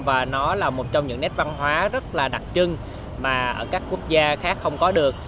và nó là một trong những nét văn hóa rất là đặc trưng mà ở các quốc gia khác không có được